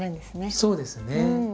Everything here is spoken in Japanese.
そうですね。